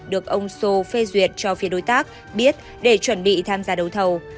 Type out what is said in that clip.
được ông sô phê duyệt cho phía đối tác biết để chuẩn bị tham gia đấu thầu